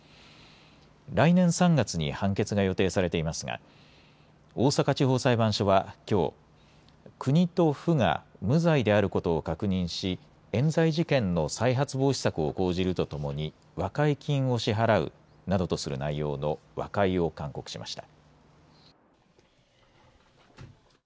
来年３月に判決が予定されていますが大阪地方裁判所はきょう国と府が無罪であることを確認しえん罪事件の再発防止策を講じるとともに和解金を支払うなどとする内容の和解を勧告しました。